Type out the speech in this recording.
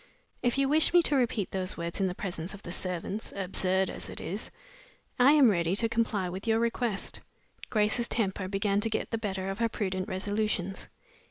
If you wish me to repeat those words in the presence of the servants (absurd as it is), I am ready to comply with your request." Grace's temper began to get the better of her prudent resolutions.